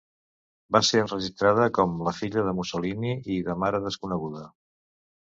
Va ser enregistrada com la filla de Mussolini i de mare desconeguda.